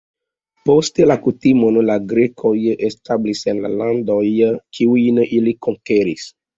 Poste la kutimon la grekoj establis en landoj, kiujn ili konkeris.